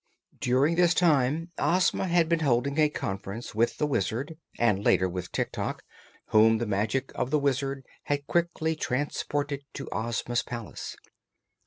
During this time Ozma had been holding a conference with the Wizard, and later with Tik Tok, whom the magic of the Wizard had quickly transported to Ozma's palace.